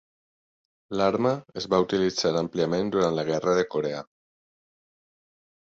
L'arma es va utilitzar àmpliament durant la guerra de Corea.